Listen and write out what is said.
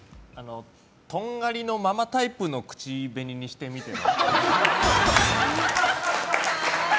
トンガリのママタイプの口紅にしてみては？